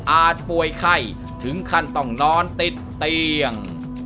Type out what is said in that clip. ป่วยไข้ถึงขั้นต้องนอนติดเตียง